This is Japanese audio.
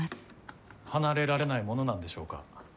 離れられないものなんでしょうか。